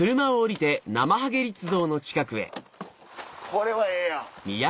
これはええやん。